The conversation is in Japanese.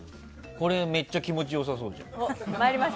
めっちゃ気持ち良さそうじゃん。